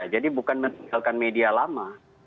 jadi bukan menggunakan media lama